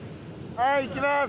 はいいきます！